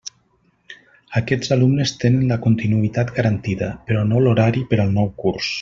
Aquests alumnes tenen la continuïtat garantida, però no l'horari per al nou curs.